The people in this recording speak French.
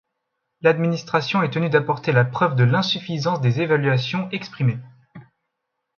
L’administration est tenue d’apporter la preuve de l’insuffisance des évaluations exprimées.